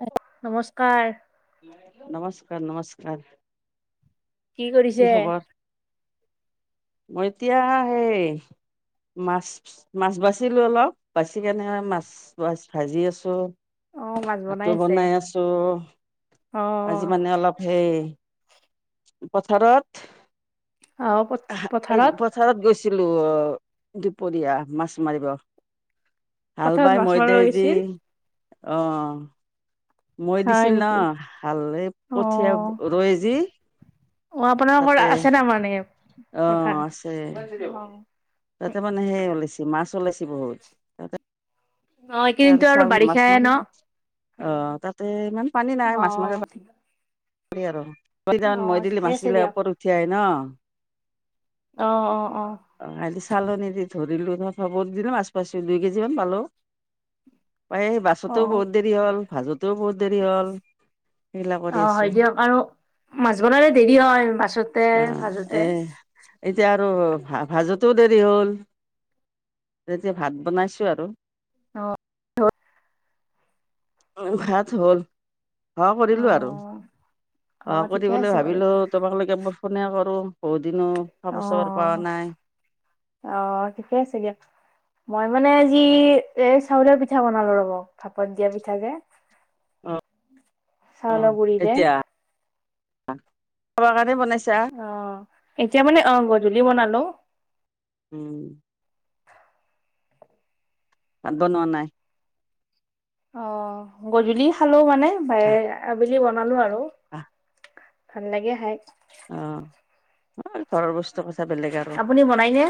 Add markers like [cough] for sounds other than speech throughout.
[unintelligible] নমস্কাৰ। নমস্কাৰ, নমস্কাৰ। কি কৰিছে? মই এতিয়া, হেই মাছ, [unintelligible] মাছ বাচিলো অলপ, বাচি কেনে, মাছ ভাজি আছো। অ মাছ ভাতো আছে। বনাই আছো, অ আজি মানে অলপ হেই, পথাৰত আহ হাল প পথাৰত গৈছিলো, অ' দুপৰীয়া মাছ মাৰিব। হাল পথাৰত বাই মাছ মাৰিব মৈদেজি, গৈছিল। অ'। মৈ হয় দিছিল না, নেকি হালে অ কঠীয়া ৰুৱে যি অ', আপোনাৰ তাতে ঘৰত আ-আছে নাই মানে অ পথাৰ, আছে অ'। তাতে মানে সেই উলাইছে, মাছ উলাইছে বহুত। অ তাৰ, এইকেইদিনতো আৰু চাউ মাছ বাৰিষাই ন? মাৰিব। অ, তাতে ইমান পানী নাই, অ মাছ মাৰিব প পাৰি আৰু অ [unintelligible] মৈ দিলি ঠিকে মাচ আছে গিলাক দিয়ক। ওপৰত উঠি আহে ন'। অ', অ', অ'। অ', খালি চালনী দি ধৰিলো, [unintelligible] মাছ পাছো, দুই কেজিমান পালো। মানে এই অ বাচুতেও বহুত দেৰি হ'ল, ভাজোতেও বহুত দেৰি হ'ল, সেইবিলাক অ কৰি হয় আছোঁ। দিয়ক আৰু, মাছ বনালে দেৰি হয়, বাচোতে, অ', এ ভাজোতে। এতিয়া আৰু ভা-ভাজোতেও দেৰি হ'ল। এতিয়া ভাত বনাইছোঁ আৰু। অ' [unintelligible] উম, ভাত হ'ল, সহা অ কৰিলো আৰু, সহা অ কৰি ঠিকে পেলাই আছে বাৰু। ভাবিলোঁ তোমাকলেগি একবাৰ ফোনে কৰোঁ, বহুতদিনো অ। খবৰ চাবৰ পোৱা নাই। অ', ঠিকে আছে দিয়া। মই মানে আযি এই চাউলৰ পিঠা বনালো ৰব, ভাপত দিয়া পিঠা যে। অ'। অ', চাউলৰ গুৰিৰে এতিয়া, খাবৰ কাৰণে বনাইছা। অ', এতিয়া মানে অ', গধূলি বনালো। উম। ভাত বনোৱা নাই। অ', গধূলি খালো মানে, বে, আবেলি বনালো আৰু। ভাল লাগে খায়। অ', [unintelligible] ঘৰৰ বস্তু টোৰ কথা বেলেগ আৰু, আপুনি বনাইনে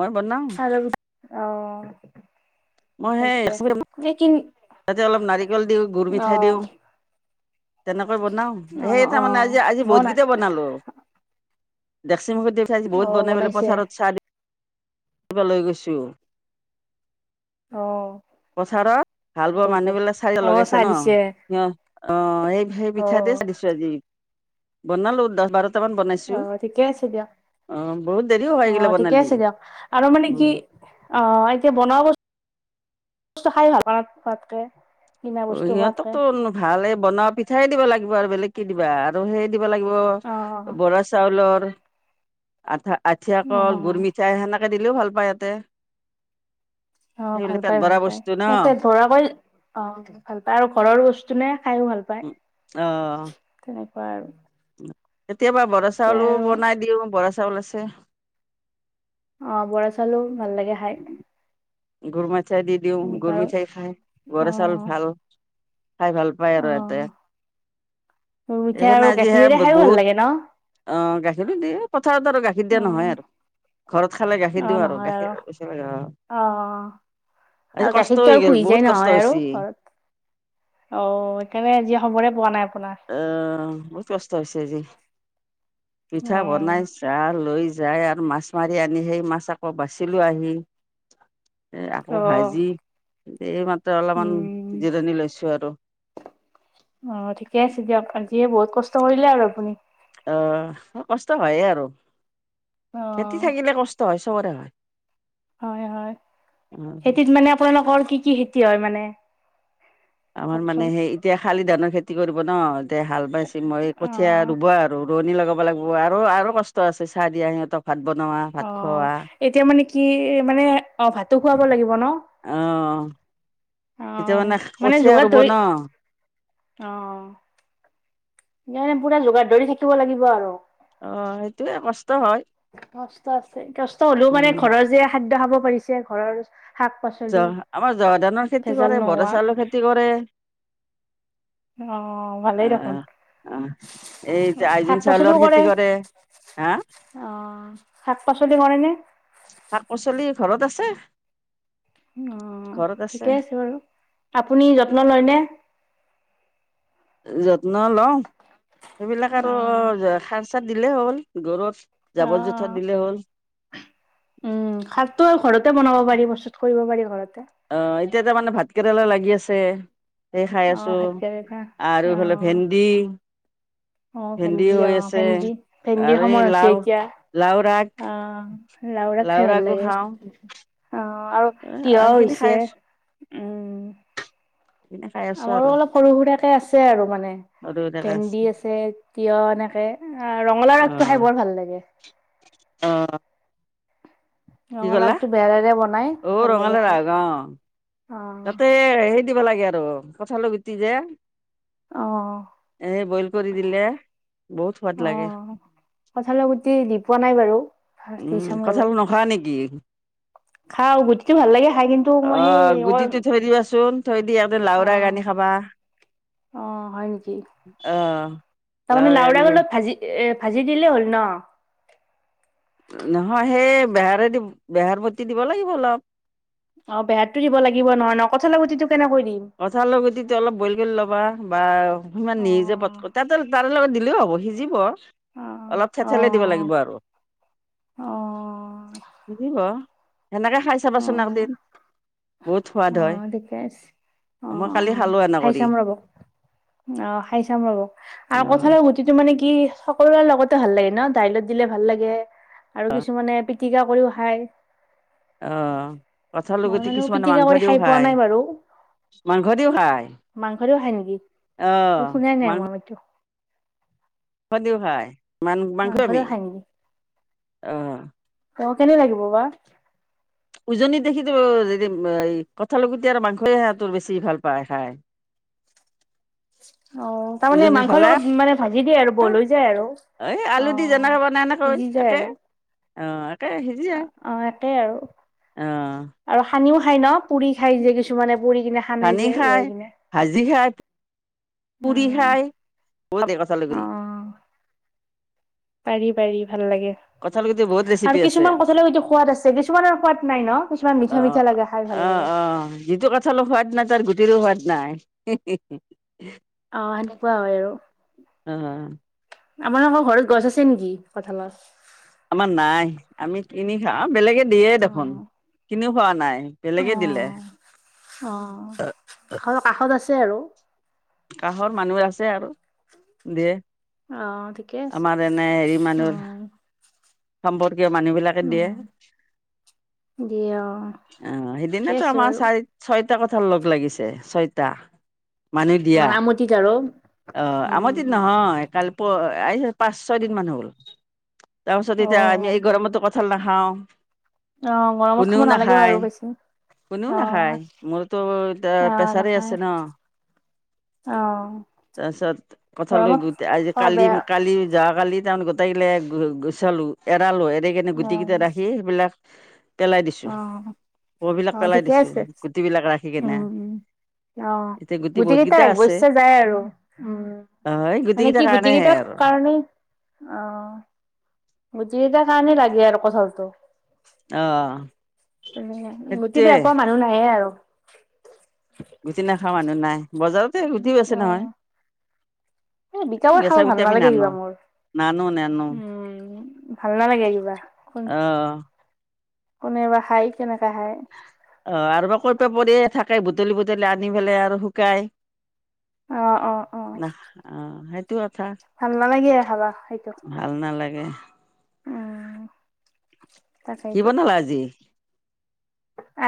মই বনাও। চাউলৰ পিঠা অ', সেইটোৱে মই আছে সেই [unintelligible] তাতে অলপ নাৰিকল দিওঁ, গুৰ মিঠাই দিওঁ। তেনেকৈ বনাও, অ সেই অ তাৰ মানে আজি, আজি মই নাই বহুতকেইটা বনালো। দেক্সি মুখত দিয়া পিঠা আজি অ বহুত বনাই বোলে পেলাই বনাইছে পথাৰত চাহ দি ব লৈ গৈছোঁ। অ পথাৰত হাল বোৱা তাকেইতো মানুহবিলাক চাগে অ লগাইছে চাহ ন? দিছে সিহঁত অঁ, এক সেই অ পিঠাতে চাহ দিছো আজি, বনালো দহ বাৰ টামান অ বনাইছো, ঠিকে আছে দিয়ক অঁ বহুত দেৰিও হয় অ এইগিলা ঠিকে বনালি। আছে দিয়ক আৰু মানে উম কি, অঁ এতিয়া বনোৱা বস্ খাই ভাল পাও তাতকে। কিনা অ বস্তু খোৱাতকে। সিহঁতকতো ভালে বনোৱা পিঠাই দিব লাগিব আৰু বেলেগ কি দিবা আৰু সেই দিব লাগিব, অ', বৰা চ চাউলৰ, আঠা আঠিয়া কল, গুৰ অ', মিঠাই, সেনেকে দিলেও ভাল পায় ইহতে। সেই গিলা পেট ভৰা বস্তু ন' ঘৰুৱাকৈ, অঁ। ভাল আৰু ঘৰৰ বস্তু নে খাইও ভাল পায়। উম অঁ তেনেকুৱা আৰু কেতিয়াবা বৰা এতিয়া চাউলো আৰু বনাই দি, ওঁ বৰা চাউল আছে। অঁ বৰা চাউলো ভাল লাগে খাই। গুৰ মিঠাই দি দিওঁ, তেনেকুৱা গুৰ আৰু। মিঠাই খাই বৰা চাউল অ', ভাল। খাই ভাল পায় আৰু ইহতে অ'। গুৰ সেই মিঠাই আৰু কাৰণে আজি হে গাখীৰেৰে খাইও ভাল বহুত লাগে ন? অঁ গাখীৰো দিয়ে পথাৰত‌ আৰু গাখীৰ গাখীৰ দিয়া উম, নহয় আৰু ঘৰত খালে গাখীৰ দিওঁ আৰু গাখীৰ পি [unintelligible] অঁ অঁ অঁ আৰু গাখীৰতটো হৈ আৰু গ'ল শুই বহুত যায় কষ্ট নহয় আৰু হৈছি ঘৰত অ' সেকানে আজি খবৰে পোৱা নাই আপোনাৰ। এ বহুত কষ্ট হৈছে আজি পিঠা বনাই দা‌ লৈ যায় আৰু মাছ মাৰি আনি, সেই মাছ আকৌ বাচিলোঁ আহি। এই অ', আকৌ ভাজি অ', এই মাত্ৰ অলমান উম। সিজিৰনি লৈছোঁ আৰু। অঁ ঠিকে আছে দিয়ক, আজিয়ে বহুত কষ্ট কৰিলে আৰু আপুনি অ', কষ্ট হয়ে আৰু। অ খেতি থাকিলে কষ্ট হয়, চবৰে হয়। হয় হয়,। খেতিত মানে আপোনালোকৰ কি কি খেতি হয় মানে? আমাৰ মানে কওকচোন সেই এতিয়া শালি ধানৰ খেতি কৰিব ন'। এতে হাল বাইছি মই অ কঠীয়া ৰুব আৰু ৰোৱনী লগা লগাব লাগব আৰু আৰু কষ্ট আছে চাহ দিয়া সিহঁতক ভাত বনোৱা। ভাত অঁ খোৱা এতিয়া মানে কি মানে, অঁ ভাতো খুৱাব লাগিব ন? অঁ অ এতিয়া মানে কঠীয়া ৰুব ন'। অঁ। এৰে পুৰা যোগাৰ ধৰি থাকিব লাগিব আৰু। অঁ সেইটোয়ে কষ্ট হয়। কষ্ট আছে, কষ্ট হ'লেও মানে উম ঘৰৰ যে খাদ্য খাব পাৰিছে, ঘৰৰ শাক। জ পাচলি আমাৰ জহা ধানৰ খেতি ভেজাল কৰে, বৰা নোহোৱা চাউলৰ খেতি কৰে। অ ভালেই দেখোন আহ আহ এই যা শাক আইজং চাউলৰ খেতি কৰে। হা? অঁ শাক পাচলি কৰেনে? শাক - পাচলি ঘৰত আছে। অঁ ঠিকে আছে বাৰু আপুনি যত্ন লয়নে? যত্ন লওঁ। সেইবিলাক আৰু যে সাৰ চাৰ দিলেই হ'ল ঘৰত। অ জাবৰ জোথৰ দিলে হ'ল। উম! খাৰটো আৰু ঘৰতে বনাব পাৰি। প্ৰস্তুত কৰিব পাৰি ঘৰতে। অঁ এতিয়া তাৰ মানে ভাত কেৰেলা লাগি আছে। সেই খাই অ আছো ভাতকেৰেলা আৰু এইফালে ভেন্দি অঁ ভেন্দি, হৈ অঁ আছে। ভেন্দি। ভেন্দিৰ আৰু এই সময় হৈছে লাও, এতিয়া। লাও ৰাগ, অঁ লাওৰা লাও খাই ভাল ৰাগো লাগে খাওঁ। অঁ আৰু এ তিয়ঁহ সেইখিনি খাই হৈছে। আছো, উম! সেইখিনি খাই আছো আৰু আমাৰো অলপ সৰু সুৰাকে আছে আৰু মানে। ভেন্দি আছে, তিয়ঁহ এনেকে। ৰঙালাও আগটো খাই বৰ ভাল লাগে। অঁ! ৰঙালাও আগটো [unintelligible] বনাই অ ভাল লাগে ৰঙালাও খাই। আগ অ অ তাতে হেৰি দিব লাগে আৰু কঁঠালৰ গুটি যে। অ', এ বইল কৰি দিলে বহুত সোৱাদ লাগে। অ', কঁঠালৰ গুটি দি পোৱা নাই বাৰু। দি উম! চাম ৰ'ব, কঁঠাল নোখোৱা নেকি? খাওঁ গুটিটো ভাল লাগে খাই কিন্তু মই অ! সেই গুটিটো থৈ দিবা চোন, থৈ দিয়া অঁ! অঁ, হয় নেকি? অ তাৰমানে লাওৰাগ লাওৰা আনিবা আগৰ লগত ভাজি এ ভাজি দিলেই হ'ল ন? নহয় সেই বেহাৰেদি বেহাৰ বতি দিব লাগিব অলপ। অঁ! বেহাৰতো দিব লাগিব নহয় ন। কঠালৰ গুটিটো কেনেকৈ দিম? কঁঠালৰ গুটিটো অলপ বইল কৰি ল'বা বা সিমান নিজে অ', পট [unintelligible] তাৰে লগত দিলেও হ'ব সিজিব। অ', অলপ থেঠেলি দিব অ', লাগিব আৰু। অ', সিজিব। সেনেকে খাই চাবা চোন অ', একদিন বহুত সোৱাদ অ হয়। ঠিকে আছে। মই কালি অঁ-অঁ, খালো এনে খাই কৰি চাম ৰব, অঁ খাই চাম ৰব। আৰু কঁঠালৰ অ গুটিটো মানে কি সকলোৰে লগতে ভাল লাগে ন। দাইলত দিলে ভাল লাগে আৰু কিছুমানে পিটিকা কৰিও খায়। অঁ! কঁঠালৰ গুটি কিছুমানে মাংস দিও খা খোৱা নাই বাৰু। খায় মাংস দিও খাই নেকি? অ শুনাই নাই মই এইটো। মাংস দিও খায়। মান মাংস আমি দিও খায় নি? অ ত কেনে লাগিব বা? উজনিত দেখিছোঁ [unintelligible] কঁঠাল গুটি আৰু মাংসই সিহঁতৰ বেছি ভাল পায় খায়। অঁ! তাৰমানে উজনিৰ মাংসৰ ফালে লগত মানে ভাজি দিয়ে আৰু ব‌ইল হৈ যায় আৰু। এই অ আলু দি যেনেকে বনাই এনেকৈ সিজি একেই অঁ একেই [unintelligible] অঁ! একেই আৰু। আৰু সানিও খাই ন? পুৰি খাই যে কিছুমানে পুৰি কিনে সানে সানি যে উহাই খায়, কিনে ভাজি খায়। অ পুৰি খায়। বইল দে কঁঠালগুটি [unintelligible] পাৰি-পাৰি ভাল লাগে। কঁঠালৰ গুটি বহুত ৰেচিপি আৰু আছে কিছুমান কঁঠালৰ গুতি সোৱাদ আছে, কিছুমানৰ সোৱাদ নাই ন? কিছুমান অ মিঠা-মিঠা লাগে, খাই অ ভাল লাগে। অ যিটো কঁঠালৰ সোৱাদ নাই তাৰ গুটিৰো সোৱাদ নাই। [inaudible] অঁ সেনেকুৱা হয় আৰু। অঁ-অঁ! আপোনালোকৰ ঘৰত গছ আছে নেকি কঁঠালৰ? আমাৰ নাই আমি কিনি খাওঁ আৰু বেলেগে দিয়ে দেখোন। অ কিনিও খোৱা নাই। বেলেগে অ দিলে। অ ঘৰৰ কাষত আছে আৰু কাষৰ মানুহৰ আছে আৰু, দিয়ে। অঁ', - ঠিকে আছে। আমাৰ এনে হেৰি মানুহৰ অঁহ। সম্পৰ্কীয় মানুহ বিলাকে দিয়ে। দিয়ে অ অঁ', ঠিকে সেইদিনাটো আছে আমাৰ বাৰু চাৰি ছয়টা কঠাল লগ লাগিছে, ছয়টা। মানুহে দিয়া, মানে আমটিত আৰু অ' উম আমৰতো উম নহয়, কালি প্ৰ এই পাঁচ ছয় দিন মান হ'ল। তাৰপিছত অ এতিয়া আমি এই গৰমতো কঁঠাল নাখাওঁ। অঁ', গৰমত কোনেও খাব নালাগে নাখায় বাৰু বেছি। কোনেও অ নাখায়, মোৰতো অ এয়া প্ৰেছাৰে আছে ন। অহ',। তাৰপিছত কঁঠালৰ গুটি আজি যে বেয়া কালি-কালি যোৱা কালি তাৰ মানে গোটেইগিলা গু-গুচালো, এৰালো, এনেকে গুটিকেইটা ৰাখি সেইবিলাক- পেলাই দিছো অঁ', কবিলাক -অঁ', - পেলাই ঠিকে দিছো আছে, গুটিবিলাক ৰাখি কেনে উমঁ-উমঁ। অঁ', এতিয়া - গুটি কেইটাৰ বহুতকেইটা আছে অবশ্য যায় আৰু উমঁ। অ এই মানে গুটিকেইটাৰ কি গুটি কাৰণেহে কেইটাৰ আৰু কাৰণেও, অঁহ',। গুটি কেইটাৰ কাৰণে লাগে আৰু কঠাঁলটো। অহ',। উ' গুটি বেয়া পোৱা মানুহ নায়ে আৰু। গুটি নোখোৱা মানুহ নাই, বজাৰতে গুটি বেছে অ নহয়। এই বিকাবোৰ খাব বেছা ভাল গুটি আমি নালাগে নানো। কিবা মোৰ নানো-নানো। উম ভাল নালাগে কিবা অহ',। কোনেবা খাই, কেনেকা খাই। অ', -আৰু বা ক'ত বা পৰিয়ে থাকে, বুটলি-বুটলি আনি পেলাই আৰু শুকাই। অ অ অ ন' অঁ', - সেইটো কথা। ভাল নালাগে হ'ব আৰু। ভাল নালাগে। অঁহ। কি' বনালা আজি?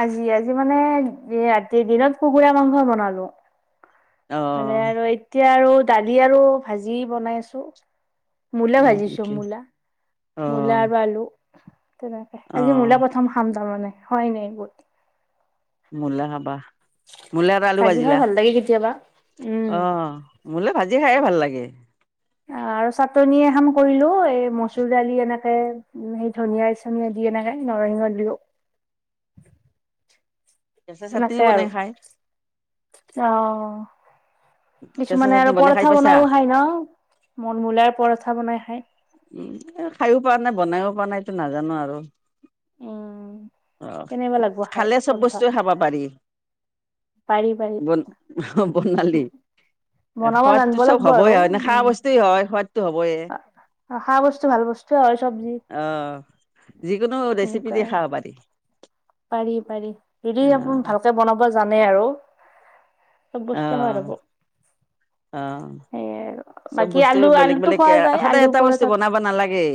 আজি-আজি মানে ৰাতি দিনত কুকুৰা মাংস বনালো। অ হ'লে আৰু এতিয়া আৰু দালি আৰু ভাজি বনাই আছো। মূলা হয় ভাজিছো নেকি মূলা, অ মূলা আৰু আলু। তেনেকে অ আজি মূলা প্ৰথম খাম তাৰমানে হয় নাই বহুত। মূলা খাবা, মূলা এটা আলু ভাজি খাই বাজিলা, ভাল লাগে কেতিয়াবা উম অঁহ। মূলা ভাজি খাইয়ে ভাল লাগে। আঁহ', - আৰু চাটনি এখন কৰিলো, এই মচুৰ দালি এনেকে। উমঁ, সেই ধনিয়া-চনীয়া দি এনেকে নৰসিংহ দিওঁ। কেঁচা চাটনিও নাথাই বনাই আৰু খাই অহ',। কেঁচা কিছুমানে চাটনি আৰু বনাই খাই পৰঠা পাইছা বনাইও খায় ন' মন-মূলাৰ পৰঠা বনাই খায়। উমঁ, খাইও পোৱা নাই, বনাইও পোৱা নাই, এইটো নাজানো আৰু। উম অহ', কেনেকুৱা লাগব খাই খালে চব বস্তু খাব পাৰি। পাৰি-পাৰি। বন অহ', -বৰ্নালী। বনাব সোৱাদটো জানিব চব লাগিব হ'বই আৰু আও, খোৱা বস্তুৱে হয় সোৱাদটো হ'বই। অ' খোৱা বস্তু ভাল বস্তুৱে হয়, চব্জি- অ', যিকোনো ৰেচিপি সেনেকুৱা দি আৰু খাব পাৰি। পাৰি- পাৰি, যদি অ আপোন ভালকে বনাব জানে আৰু। চব অ বস্তু সোৱাদ হব। অ', সেয়ে আৰু চব বাকী বস্তু আলু বেলেগ আলুটো বেলেগকে খোৱা যায় সদায় আলু এটা বস্তু পৰঠাত বনাব নালাগে।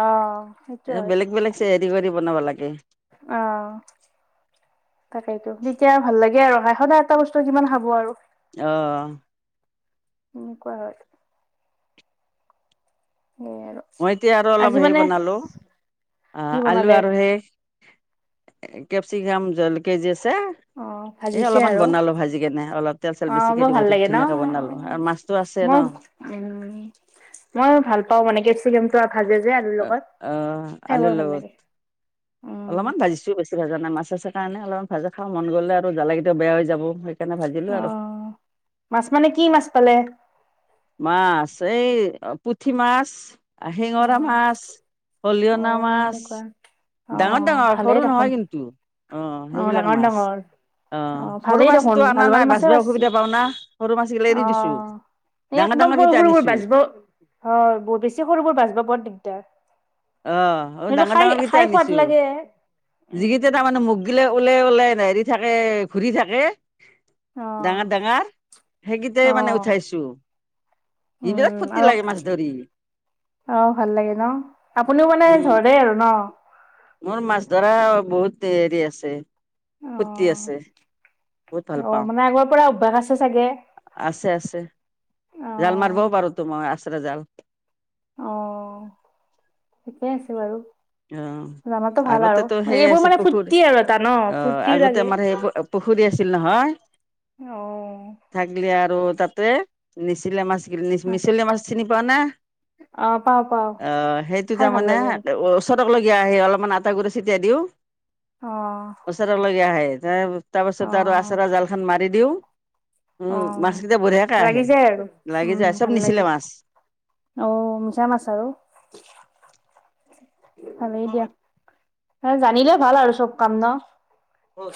অ', সেইটোয়ে বেলেগ বেলেগ [unintelligible] হেৰি কৰি বনাব লাগে। অ', তাকেইতো, তেতিয়া ভাল লাগে আৰু খাই, সদায় এটা বস্তু কিমান খাব আৰু। অ', সেনেকুৱা হয়। সেয়াই আৰু। মই এতিয়া আৰু আজি অলপ হেৰি মানে বনালো অ' কি আলু বনালে আৰু সেই কেপছিকাম জলকীয়া যে আছে। অ', এ ভাজিছে অলপমান আৰু বনালো ভাজি কেনে অলপ তেল চেল অ বেছিকে বৰ দিব ভাল লাগে ন ধুনীয়াকে বনালো আৰু মাছটো আছে মই ন'। উম, মই ভাল পাও মানে কেপছিকেম পুৰা ভাজে যে আলুৰ অ' লগত অ' খাই বৰ আলুৰ ভাল লগত লাগে। উম অলপমান ভাজিছোঁ বেছি ভাজা নাই মাছ আছে কাৰণে অলপমান ভাজা খাবা মন গ'লে আৰু জালা কেটাও বেয়া হৈ যাব সেইকাৰণে ভাজিলো অ আৰু। মাছ মানে কি মাছ পালে? মাছ এই পুঠি মাছ অ শিঙৰা মাছ অ পলিঅনা মাছ। এনেকুৱা অ ডাঙৰ - ডাঙৰ, ভালেই সৰু দেখোন নহয় কিন্তু অ', অ সেইবিলাক ডাঙৰ মাছ। ডাঙৰ অ', সৰু ভালেই দেখোন মাছটো আনা ভাল ভাল নাই মাছে বাছবা পাইছি অসুবিধা পাওঁ না সৰু মাছগিলা এৰি অ দিছো। এই ডাঙৰ একদম ডাঙৰ সৰু গেইটা সৰুবোৰ আনিছোঁ। বাচিব হয়, বৰ বেছি সৰুবোৰ বাচবা বৰ দিগদাৰ। অ', অ', সেইটো ডাঙৰ খাই ডাঙৰ কেইটা খাই সোৱাদ আনিছোঁ লাগে যিকেইটা উম তাৰ মানে মুখ গিলে ওলোই ওলাই হেৰি থাকে ঘূৰি থাকে অ ডাঙৰ - ডাঙৰ, অ সেইকিটাই মানে উঠাইছো। বিৰাট উম ফূৰ্তি আৰু লাগে মাছ ধৰি। অ', ভাল লাগে ন' আপুনিও মানে উম ধৰে আৰু ন'? মোৰ মাছ ধৰা বহুত হেৰি আছে অ ফুৰ্তি আছে বহুত ভাল অ পাওঁ। মানে আগৰ পৰা অভ্যাস আছে চাগে আছে - আছে, জাল অ মাৰবও পাৰো তো মই আছাৰা জাল। অ', থিকেই আছে বাৰু। জানাটো অ' ভাল আৰু আগতেতো সেই এইবোৰ আছিল মানে পুখুৰী ফূৰ্তি আৰু এটা ন' অ' ফুৰ্তিও আগতে লাগে আমাৰ সেই পুখুৰী আছিল নহয় অ', থাকিলে আৰু তাতে নিচিলা মাছ মিছলীয়া মাছ চিনি পাৱা নে? অ পাও পাও অ', সেইটো খাই ভাল তাৰমানে লাগে অ অচ চটকলগীয়া আহে অলপমান আটা গুৰি ছটিয়াই দিওঁ অ', ওচৰলৈকে আহে তাৰপাছত আৰু আচাৰা জালখন মাৰি দিওঁ অ উম, মাছ কেইটা বঢ়িয়াকে লাগি আহে যায় আৰু লাগি উম যায় ভাল চব লাগে মিছলিয়া মাছ। অ', মিছামাছ আৰু ভালেই দিয়া জানিলে ভাল আৰু চব কাম ন হয়